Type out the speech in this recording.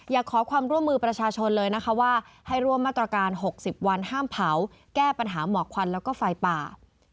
อยากขอความร่วมมือประชาชนเลยนะคะว่าให้ร่วมมาตรการ๖๐วันห้ามเผาแก้ปัญหาหมอกควันแล้วก็ไฟป่า